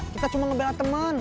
kita cuma ngebelak temen